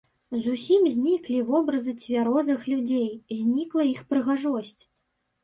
Зусім зніклі вобразы цвярозых людзей, знікла іх прыгажосць.